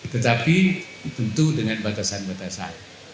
tetapi tentu dengan batasan batasan